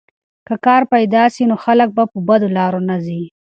که کار پیدا سي نو خلک په بدو لارو نه ځي.